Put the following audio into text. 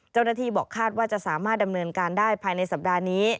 เจ้าหน้าที่บอกคาดว่าจะสามารถดำเนินการได้ภายในสัปดาห์นี้